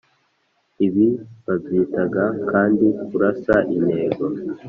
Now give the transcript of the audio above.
ibi babyitaga kandi kurasa intego.